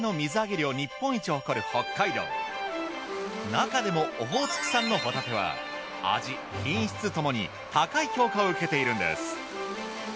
なかでもオホーツク産のほたては味・品質ともに高い評価を受けているんです。